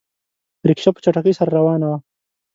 رکشه په چټکۍ سره روانه وه.